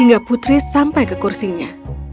hingga putri sampai ke kursinya